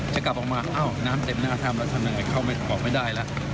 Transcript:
จะกลับออกมาอ้าวน้ำเต็มหน้าถ้ำแล้วทำยังไงเข้าออกไม่ได้แล้ว